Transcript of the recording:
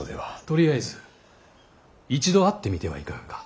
とりあえず一度会ってみてはいかがか。